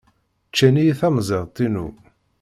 Ččan-iyi tamẓidt-inu.